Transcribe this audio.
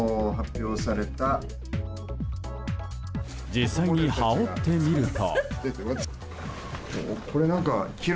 実際に羽織ってみると。